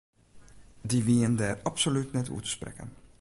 Dy wienen dêr absolút net oer te sprekken.